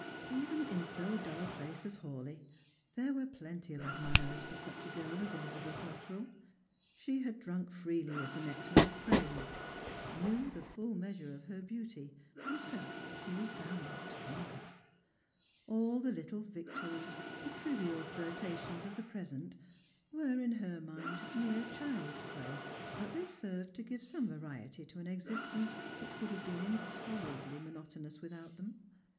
Even in so dull a place as Hawleigh there were plenty of ad mirers for such a girl as Elizabeth Luttrell. She had drunk freely of the nectar of praise; knew the full measure of her Slranger nd Pihjrims. beauty, and felt that slic w;is bcnnid tu conquer. All the li_ttl(3 victories, the trivial flirtations of the present, were, in her mind, mere child's play ; but they served to give some variety to an existence which would have been intolerably monotonous with out them.